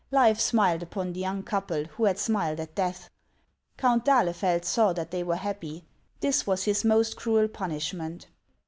Life smiled upon the young couple who had smiled at death. Count d'Ahlefeld saw that they were happy ; this was his most cruel punishment.